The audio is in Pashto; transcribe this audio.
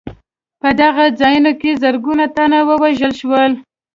په دغو ځایونو کې زرګونه تنه ووژل شول.